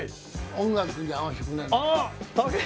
音楽に合わせてこんな。